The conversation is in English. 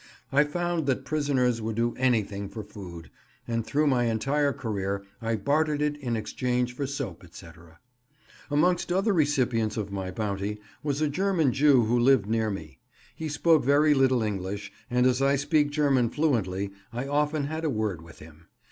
I found that prisoners would do anything for food, and through my entire career I bartered it in exchange for soap, etc. Amongst other recipients of my bounty was a German Jew who lived near me. He spoke very little English, and as I speak German fluently, I often had a word with him.